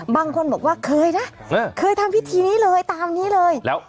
บางคนบอกว่าเคยนะเคยทำพิธีนี้เลยตามนี้เลยแล้ว